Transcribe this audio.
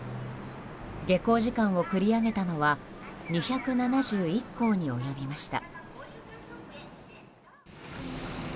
下校時間を繰り上げたのは２７１校に及びました。